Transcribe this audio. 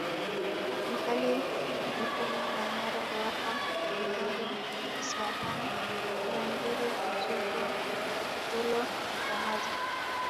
Mahale Mikumi Manyara Ruaha Rubondo saadan Tarangire Udzungwa Kitulo Mkomazi